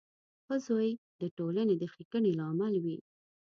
• ښه زوی د ټولنې د ښېګڼې لامل وي.